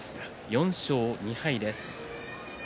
４勝２敗です。